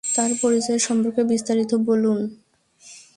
তার পরিচয় সম্পর্কে বিস্তারিত বলুন?